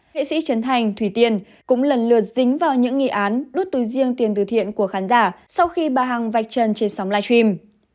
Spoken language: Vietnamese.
nghệ sĩ trấn thành thủy tiên cũng lần lượt dính vào những nghi án đốt túi riêng tiền từ thiện của khán giả sau khi bà hằng vạch chân trên sóng live stream